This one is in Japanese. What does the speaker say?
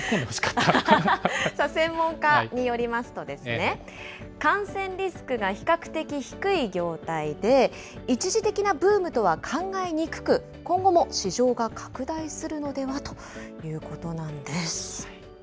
専門家によりますと、感染リスクが比較的低い業態で、一時的なブームとは考えにくく、今後も市場が拡大するのではということなんです。